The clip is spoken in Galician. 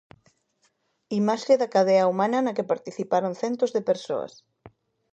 Imaxe da cadea humana na que participaron centos de persoas.